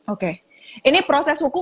oke ini proses hukum